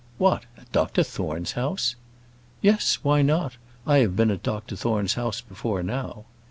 "What! at Dr Thorne's house?" "Yes; why not? I have been at Dr Thorne's house before now."